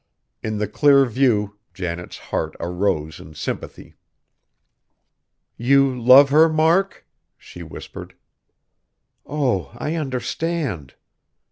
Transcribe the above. In the clear view, Janet's heart arose in sympathy. "You love her, Mark?" she whispered, "oh! I understand."